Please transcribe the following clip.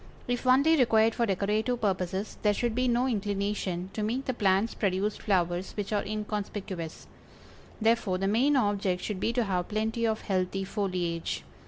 If only required for decorative purposes there should be no inclination to make the plants produce flowers which are inconspicuous; therefore the main object should be to have plenty of healthy foliage.